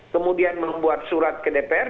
kemudian membuat surat ke dpr